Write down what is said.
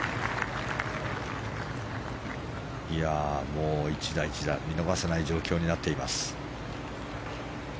もう１打１打見逃せない状況になっています。